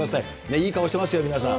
いい顔してますよ、皆さん。